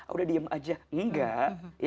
udah diam aja enggak